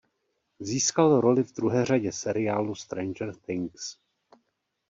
Získal roli v druhé řadě seriálu "Stranger Things".